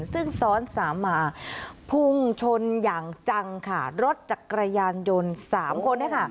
ซึ่งซ้อนสามมาพุ่งชนอย่างจังค่ะรถจักรยานยนต์สามคนเนี่ยค่ะ